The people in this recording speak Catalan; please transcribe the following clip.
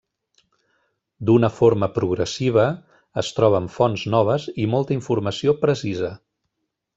D'una forma progressiva es troben fonts noves i molta informació precisa.